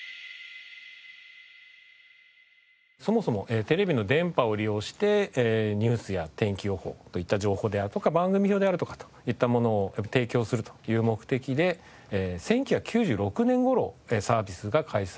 そもそもテレビの電波を利用してニュースや天気予報といった情報であるとか番組表であるとかといったものを提供するという目的で１９９６年頃サービスが開始されています。